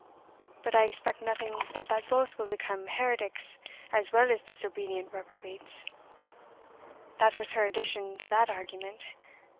But I expect nothing but that both will become heretics as well as disobedient reprobates;' that was her addition to that argument.